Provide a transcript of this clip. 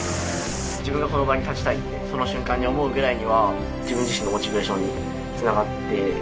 自分がその場に立ちたいってその瞬間に思うくらいには自分自身のモチベーションにつながって。